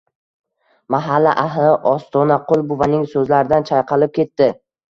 Mahalla ahli Ostonaqul buvaning so`zlaridan chayqalib ketdi